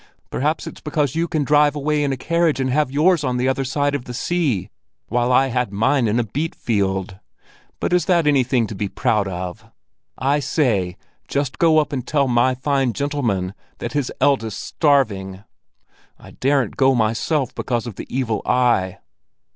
Perhaps it's because you can drive away in a carriage and have yours on the other side of the sea, while I had mine in a beet field! But is that anything to be proud of? I say, just go up and tell my fine gentleman that his eldest's starving! I daren't go myself because of the evil eye."